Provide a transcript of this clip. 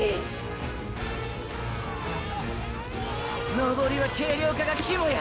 登りは軽量化がキモや！！